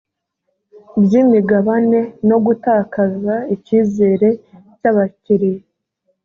by imigabane no gutakaza icyizere cy abakiliya